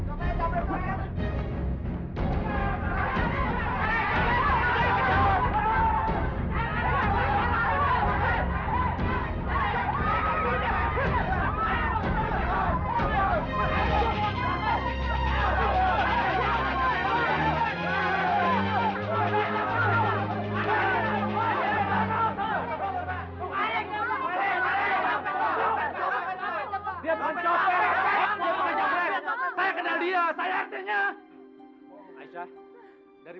aisyah punya bukti